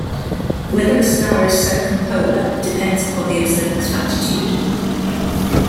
Whether a star is circumpolar depends upon the observer's latitude.